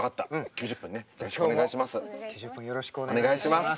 ９０分よろしくお願いします。